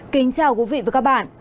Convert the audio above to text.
kính chào quý vị và các bạn